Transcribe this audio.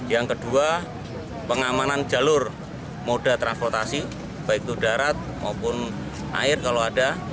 yang kedua pengamanan jalur moda transportasi baik itu darat maupun air kalau ada